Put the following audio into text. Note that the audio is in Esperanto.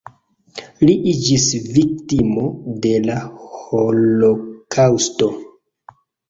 Li iĝis viktimo de la holokaŭsto.